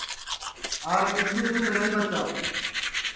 آج مِسکُو دؔودھ نائی بچا